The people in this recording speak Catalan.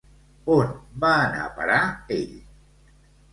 On va anar a parar ell?